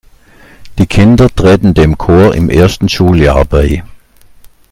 Die Kinder treten dem Chor im ersten Schuljahr bei.